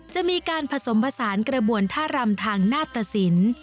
จะมีการผสมผสานกระบวนท่ารำทางหน้าตสิน